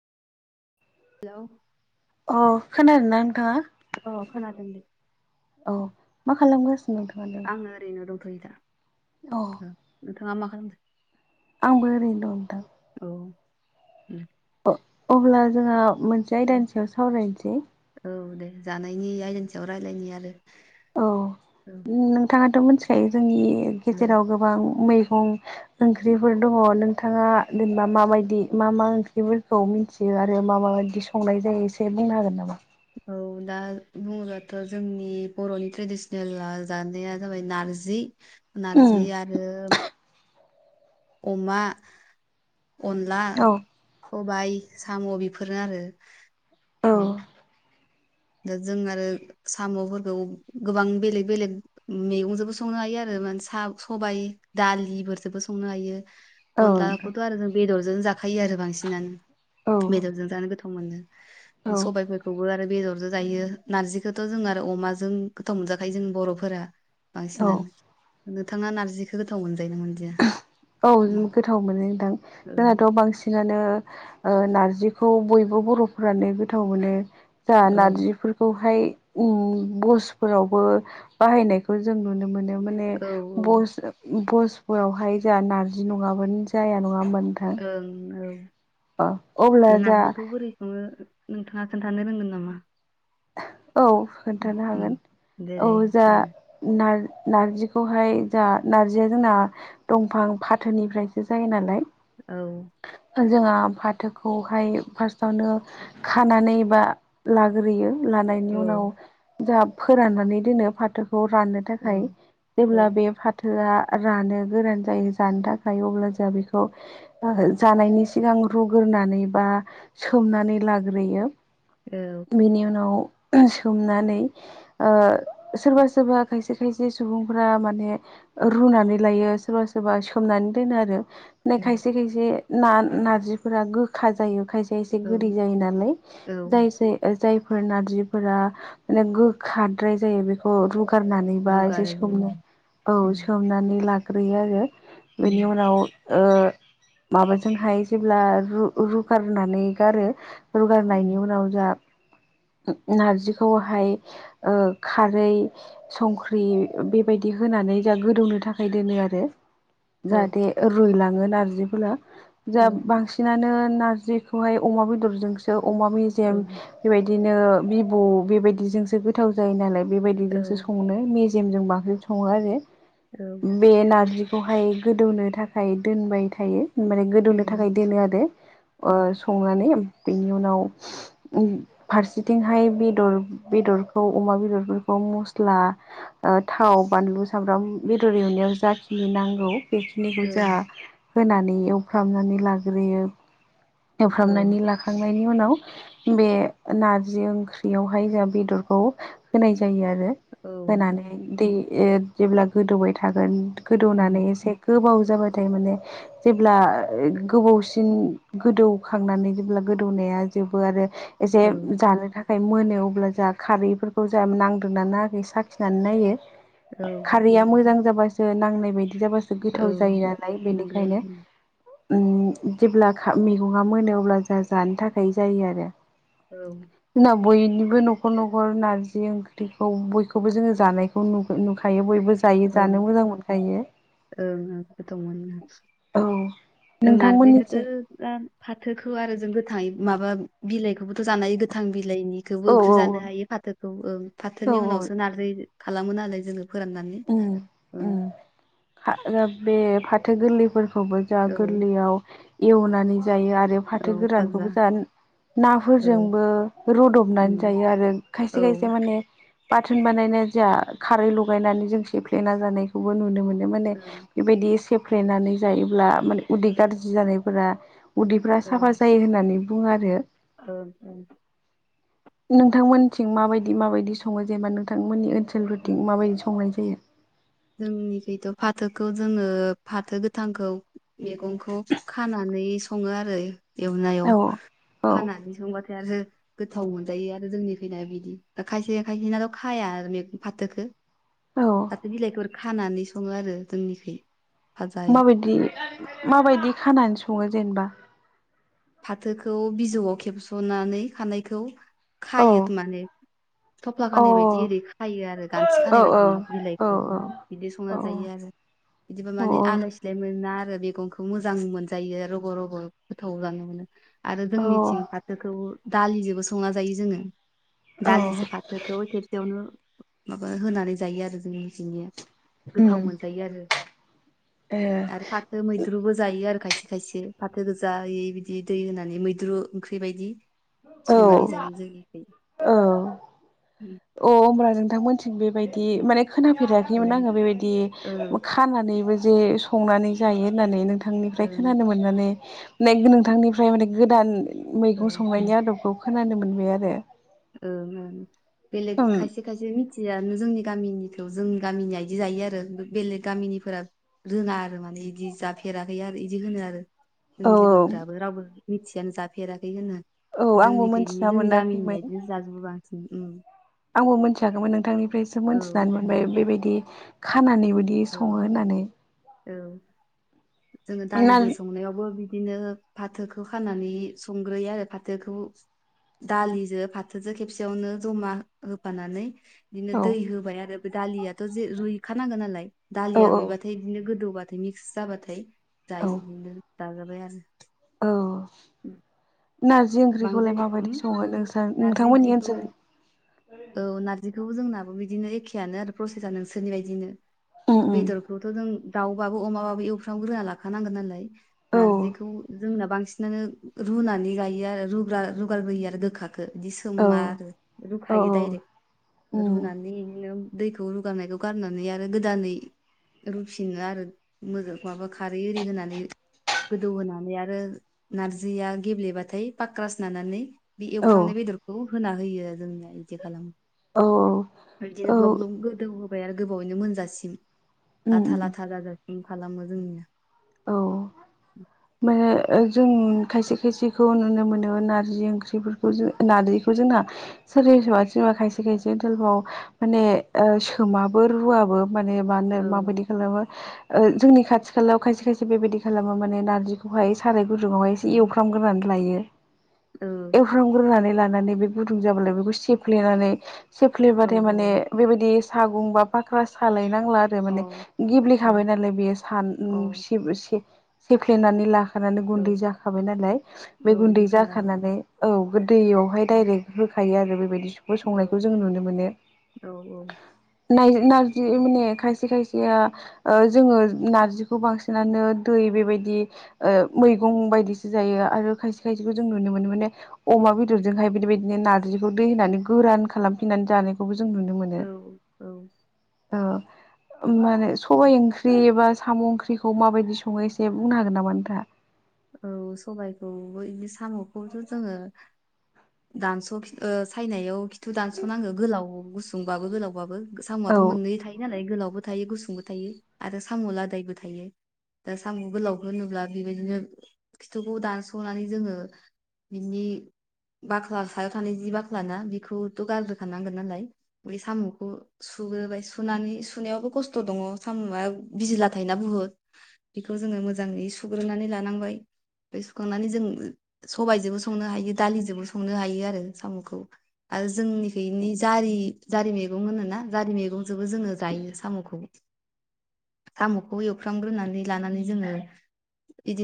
हेल' खोनादों नोंथाङा? अ खोनादोंदि औ मा खालामगासिनो नोंथाङालाय? आङो ओरैनो नोंथाङा मा खालामदो? आंबो ओरैनोदं नोंथां। [unintelligible] अब्ला जोंहा मोनसे आयदानि सायाव सावरायनोसै। औ दे जानायनि आयदानि सायाव रायज्लायनि आरो। औ औ नोंथाङाथ' मिथिखायो जोंनि औ गेजेराव गोबां मै मैगं ओंख्रिफोर दङ नोंथाङा जेनेबा माबायदि मा मा ओंख्रिफोरखौ मिथियो। आरो मा मा बिायदि संनाय जायो एसे बुंनो हागोन नामा? औ दा बुङोबाथ' जोंनि बर'नि ट्रेडिसनेल जानाया जाबाय नारजि। नारजि उम आरो अमा अनला औ सबाय साम' बेफोर बेफोरो आरो औ। दा जों आरो साम'फोरखौ गोबां बेलेग बेलेग मैगंजोंबो संनो हायो आरो। सबाय दालिफोरजोंबो संनो हायो। औ नोंथां अनलाखौथ' आरो जों बेदरजों जाखायो आरो औ बांसिनानो। बेदरजों जानो गोथाव मोनो सबायफोरखौबो आरो बेदरजों। बेयो नारजिखौथ जों आरो अमाजों गोथाव मोनजाखायो जों बरफोरा औ बांसिनानो। नोंथाङा नारजिखौ गोथाव मोनजायो ना मोनजाया। औ गोथाव मोनजायोदा औ जोंहाथ बांसिनानो। ओ नारजिखौ बयबो बरफ्रानो गोथाव मोनो। जा नारजिफोरखौहाय। उम बसफोरावबो बाहायनायखौ जों नुनो मोनो। माने औ बस-बसफोरावहाय जोंहा नारजि नङाबानो जाया नङा होमबा नोंथां ओं औ अ अब्ला दा जा नारजिखौ बोरै संङो। नोंथाङा खोन्थानो रोंगोन नामा। औ खोन्थानो उम हागोन जेरै औ जा उम नार नारजिखौहाय जा नारजिया जोंना दंफां फाथोनिफ्रायसो जायो नाला। औ। जोंहा फाथोखौहाय फार्स्टआवनो खानानै बा लाग्रोयो। लानायनि औ उनाव जाहा फोराननानै दोनो फाथो खौ राननो औ थाखाय औ जेब्ला बे फाथोआ। रानो गोरान जायो जानो थाखाय अब्ला जोंहा बेखौ। जानायनि सिगां रुग्रोनानै बा सोमनानै लाग्रोयो। औ बेनि उनाव। सोमनानै ओ सोरबा सोरबा खायसे खायसे सुबुंफोरा माने। रुनानै लायो सोरबा सोरबा सोमनानै दोनो आरो ना उम खायसे। बे ना-नारजिफोरा गोखा जायो खायसे। एसे औ गोदै जायो नालाय औ जाय ओ जाय फोर नारजिफोरा माने गोखाद्राय जायो बेखौ रुख रुगारनानैबा एसे रुगारो जों सोमनो औ उम सोमनानै लाग्रोयो आरो। उम बेनि उनाव ओ माबाजोंहाय जेब्ला रु-रुगारनानै गारो। उम रुगारनायनि उनाव जा नारजिखौहाय ओ खारै संख्रि बेबायदि होना नानै जा गोदौनो थाखाय दोनो आरो। औ जाहाथे रुइलांङो नारजिफोरा औ जा बांसिनानो। नारजिखौहाय अमा बेदरजोंसो अमा औ मेजेम बेबाय बिदिनो बिबु बेबायदिजोंसो गोथाव जायो नालाय औ बेबायदि संनो। मेजेमजों बासिन संङो आरो औ बे नारजि खौहाय गोदौनो थाखाय दोनबाय थायो। माने गोदौनो थाखाय दोनो आरो ओ संनानै बेनि उनाव। ओम फारसेथिंहाय बेदर बेदरखौ अमा बेदरफोरखौ मस्ला। ओ थाव बानलु सामब्राम बेदर एवनायाव जाखिनि नांगौ। बेखिनिखौ जोंहा होनानै एवफ्रामनानै लाग्रोयो। एवफ्रामनानै लाखानाय नि उनाव बे नारजि ओंख्रियावहाय जोंहा बेदरखौ होनाय जायो आर रो औ होनानै दै जेब्ला गोदौय थागोन। गोदौनानै एसे गोबाव जाबाथाय माने। जेब्ला गोबावसिन गोदौखांनानै जेब्ला गोदौनाया जोबो आरो। एसे जानो थाख थाखाय मोनो अब्ला जोंहा खारैफोरखौ जा नांदोंना नांङाखै साखिनानै नायो। खारैआ मोजां जाबासो नांनाय बायदि जाबासो औ गोथाव जायो नालाय नंगौ बेनिखायनो। ओम जेब्ला मैगंङा मोनो अब्ला जों जानो थाखाय जायो आरो। औ। जोंना बयनिबो न'खर न'खर नारजि ओंख्रिखौ बयखौबो जोंङो जानायखौ नुखायो बयबो। जायो औं जानो मोजां मोनखायो ओं ओं गोथावमोन औ जों नारजिखौथ' नोंथांमोननिथिं दा फाथोखौ आरो जोगोथांयै माबा बिलाइखौबोथ' जानाय गोथां बि औ बिलाइनिखौबो ओंख्रि औ जानो हायो फाथोखौ औ फाथोनि औ उनावसो नारजि खालामो नालाय जोङो फोराननानै ओम ओं ओम फा ओ बे फाथो गोरलैफोर खौबो जा औ गोरलैयाव एवनानै जायो आरो औ फाथो फाजा गोरानखौबो जान औ नाफोरजोंबो रुदबनानै उम, जायो आरो औ खायसे ओं खायसे माने बाथोन बानायना जा खारै लगायनानै जों सेफ्लेना जानायखौबो नुनो मोनो माने बेबायदि सेब फ्लेनानै जायोब्ला माने उदै गाज्रि जानायफोरा उदैफ्रा साफा जायो होननानै बुङो आरो ओ ओं नोंथांमोनथिं माबायदि माबायदि सङो जेनेबा नोंथांमोननि औ ओनसोलफोरथिं माबायदि संनाय जायो [inaudible] जोंनिखैथ' फाथोखौ जोङो फाथो गोथांखौ मैगंखौ खानानै नै सङो आरो एवनायाव औ औ खानानै संबाथाय आरो गोथाव मोनजायो आरो जोंनि खैजाय बिदि दा खायसे खायसेनाथ' खाया आरो मैगं फाथोखो औ फाथो बिलाइखौ खानानै सङो आरो जोंनिखै फाजायाव माबायदि माबायदि खानानै सङो जेनेबा फाथोखौ बिजौआव खेबस'नानै खानायखौ औ खायोखोमालै थफ्ला औ खानाय बायदि ओरै खायो आरो गान्थि औ खानाय औ बायदि औ बिलाइखौ बिदि संना जायो औ आरो बिदिबा माने औ आलाय सिलाय मोना आरो मैगंखौ मोजां मोनजायो रग' रग' गोथाव जानो मोनो आरो औ जोंनिथिं फाथोखौ दालिजोंबो संना जायो जोङो औ दालिजों फाथोखौ खेबसेयावनो माबा होनानै जायो आरो जोंनिथिंनिया उम गोथाव मोनजायो आरो ए आरो फाथो मैद्रुबो जायो आरो खायसे खायसे फाथो गोजायै बिदि दै होनानै मैद्रु ओंख्रि बायदि औ संनानै जायो जोनिखै औ अ होमब्ला नोंथांमोनथिं बेबायदि माने औ खोनाफेराखैमोन आङो बेबायदि औ खानानैबो जे संनानै जायो होननानै नोंथां नोंथांनिफ्राय खोनानो मोननानै माने नोंथांनिफ्राय माने गोदान औ मैगं औ संनायनि आदबखौ खोनानो मोनबाय आरो बेलेग उम खायसे खायसे मिथियानो जोंनि गामिनिखौ जों गामिनिया बिदि जायो आरो बेलेग गामिनिफोरा रोङा आरो माने बिदि जाफेराखै आरो इदि होनो आरो औ जोंनि लोगोफोराबो रावबो मिथियानो जाफेराखै होनो औ आंबो जोंनिखैनि मोनथिना जोंनि गामिनि मोनाखैमोन बो बांसिन आंबो मोनथियाखैमोन नोंथांनिफ्रायसो औ मोनथिनानै मोनबाय बेबायदि खानानै बोदि सङो औ होननानै औ जोङो ना दालिजों संनायावबो बि बिदिनो फाथोखौ खानानै संग्रोयो आरो फाथोखौ दालिजों फाथोजों खेबसेयावनो जमा होफानानै बिदिनो औ दै होबाय आरो बे दालियाथ' जे रुइखानांगोन नालाय औ दालिया औ रुइबाथाय बिदिनो गोदौबाथाय मिक्स जाबाथाय औ जायो बिदिनो जाजाबाय आरो औ ओम नारजि ओंख्रिखौलाय माबायदि सङो नोंस्रा नारजि नोंथांमोननि ओंख्रिखौ ओनसोल औ नारजिखौबो जोंनाबो बिदिनो एखेयानो आरो प्रसेसआ नोंसोरनि बायदियानो उम उम बेदरखौथ' जों दाउबाबो अमाबाबो एवफ्राम ग्रोना लाखानांगोन नालाय औ नार्जिखौ जोंना बांसिनानो रुनानै गायो आरो रुबा रुगारग्रोयो आरो गोखाखौ बिदि औ सोमा आरो औ रुखायो औ दायरेक उम रुनानै दैखौ रुगारनायखौ गारनानै आरो गोदानै रुफिनो आरो मोजां न माबा खारै एरि होनानै गोदौ होनानै आरो नारजिया गेब्लेबाथाय पाक्रास नानानै बे औ एवफ्रामनाय बेदरखौ होना होयो आरो जोंना बिदि खालामो औ बिदिनो औ ग्लब ग्लब गोदौ होबाय आरो गोबावैनो मोनजासिम उम लाथा उम लाथा जाजासिम खालामो जोंनिया औ मायाओ जों खायसे खायसेखौ नुनो मोनो नारजि ओंख्रिफोरखौ जों नारजिखौ जोंना सोरबा जेनेबा खायसे खायसे ओनसोलफ्राव माने सोमाबो रुवाबो माने मानो औ माबायदि खालामो जोंनि खाथि खालायाव खायसे खायसे बेबायदि खालामो माने नारजिखौहाय साराय गुदुावहाय एसे उम, एवफ्रामग्रोनानै लायो औ एवफ्रामग्रोनानै लानानै बे गुदुं जाब्ला बेखौ सिफ्लेनानै औ सेफ्लेबाथाय माने बेबायदि सागं बा फाख्रा सालायनो नांला आरो औ माने गेब्लेखाबाय नालाय बेयो सा औ सेफ्लेनानै लाखानानै औ गुन्दै जाखाबाय नालाय बे औ बिदि गुन्दै जाखा खालामो नालाय औ बे दैयावहाय औ डाइरेक्ट होखायो आरो बेबायदि संनायखौ जोंङो नुनो मोनो औ माने खायसे खायसेआ ओ जोङो नारजि खौ बांसिनानो दै बेबायदि ओ मैगं बायदिसो जायो आरो खायसे खायसेखौ जों नुनो मोन मोनो माने अमा बेदरजोंहाय बेदिबायदिनो नारजिखौ दै होनानै गोरान खालामफिननानै जानायखौ जों नुनो मोनो औ औ औ माने सबाय ओंख्रि बा साम' ओंख्रि खौ माबायदि सङो एसे बुंनो हागोन नामा नोंथाङा औ सबायखौबो बिदि साम'खौथ' जोङो दान्स ओ सायनायाव थु दानस'नागौ गोलाव गुसुंबाबो गोलावबाबो साम'आथ' औ मोननै थायो नालाय गोलावबो थायो गुसुं बो थायो आरो साम' लादायबो थायो दा साम' गोलावखौ होनोब्ला बेबायदिनो खिथुखौ दानस'नानै जोङो बिनि बाख्ला सायाव थानाय जि बाख्लाना बेखौथ' गारग्रोखानांगोन नालाय बे साम'खौ सुग्रोबाय सुनानै सुनायावबो खस्थ' दङ साम'आ बिजिला थायोना बुहुत बेखौ जोङो मोजाङै सुग्रोनानै लानांबाय [inaudible] बेखौ सुखांनानै जों सबायजोंबो संनो हायो दालिजोंबो संनो हायो आरो साम'खौ आरो जोंनिखैनि जारि जारि मैगं होनो ना जारि मैगंजोंबो जोङो जायो साम'खौ [inaudible] साम'खौ एवफ्रामग्रोनानै लानानै जोङो बिदिनो